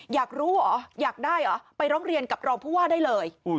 อยากรู้เหรออยากได้เหรอไปร้องเรียนกับรองผู้ว่าได้เลย